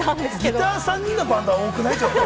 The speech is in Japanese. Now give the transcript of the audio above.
ギター３人のバンドは多くない？